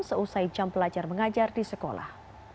seusai jam pelajar mengajar di sekolah